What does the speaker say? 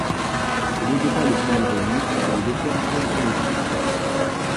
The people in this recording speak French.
Ce n'était pas le premier venu, que le docteur Valentin Legris.